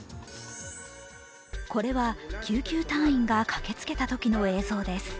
これは救急隊員が駆けつけたときの映像です。